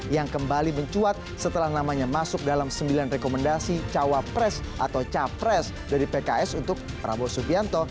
yang kembali mencuat setelah namanya masuk dalam sembilan rekomendasi cawapres atau capres dari pks untuk prabowo subianto